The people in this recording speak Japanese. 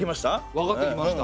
わかってきました。